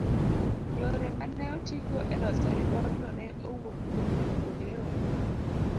yore ma ne otigo e loso ripodno ne owuok kuom jopuonjrewa